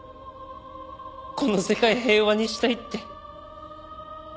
この世界平和にしたいって。